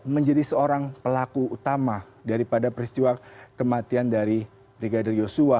menjadi seorang pelaku utama daripada peristiwa kematian dari brigadir yosua